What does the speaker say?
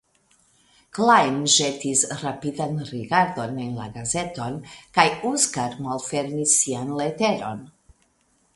Klajn ĵetis rapidan rigardon en la gazeton kaj Oskar malfermis sian leteron.